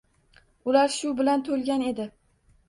Ular shu bilan to‘lgan edi.